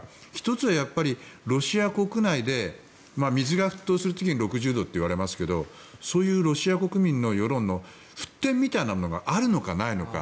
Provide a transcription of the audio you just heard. １つはロシア国内で水が沸騰するのは６０度と言われますがそういうロシア国民の世論の沸点みたいなのがあるのかないのか。